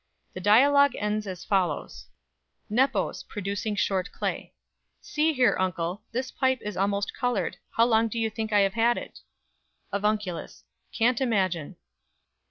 The dialogue ends as follows: "NEPOS (producing short clay). See here, Uncle. This pipe is almost coloured. How long do you think I have had it? "AVUNCULUS. Can't imagine.